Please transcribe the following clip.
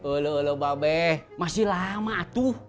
ulu ulu babe masih lama tuh